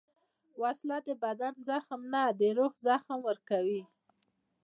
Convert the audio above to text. وسله د بدن زخم نه، د روح زخم ورکوي